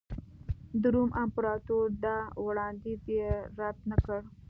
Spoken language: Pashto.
د روم امپراتور دا وړاندیز یې رد نه کړ